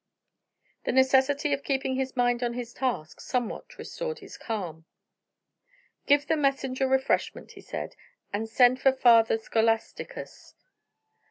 The necessity of keeping his mind on his task somewhat restored his calm. "Give the messenger refreshment," he said, "and send for Father Scholasticus."